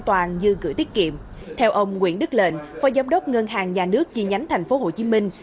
theo ông nguyễn đức lệnh phó giám đốc ngân hàng nhà nước chi nhánh thành phố hồ chí minh